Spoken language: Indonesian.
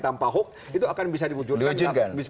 tanpa hukum itu akan bisa diwujudkan